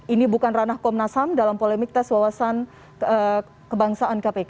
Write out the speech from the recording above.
ini bukan ranah komnas ham dalam polemik tes wawasan kebangsaan kpk